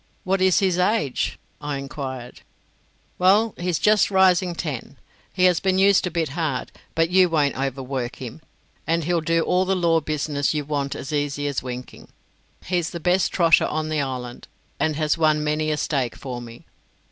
"What is his age?" I enquired. "Well, he's just rising ten. He has been used a bit hard, but you won't overwork him, and he'll do all the law business you want as easy as winking. He's the best trotter on the island, and has won many a stake for me.